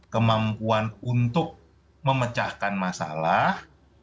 kemampuan untuk memecahkan masalah